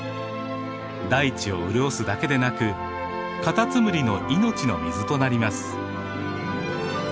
大地を潤すだけでなくカタツムリの命の水となります。